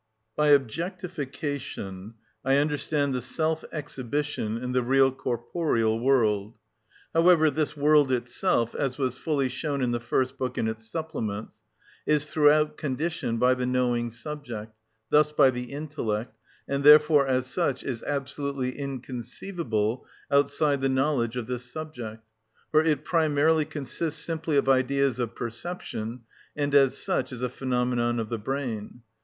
By objectification I understand the self exhibition in the real corporeal world. However, this world itself, as was fully shown in the first book and its supplements, is throughout conditioned by the knowing subject, thus by the intellect, and therefore as such is absolutely inconceivable outside the knowledge of this subject; for it primarily consists simply of ideas of perception, and as such is a phenomenon of the brain.